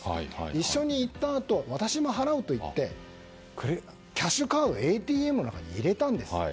一緒に行ったあと私も払うと言ってキャッシュカードをＡＴＭの中に入れたんですって。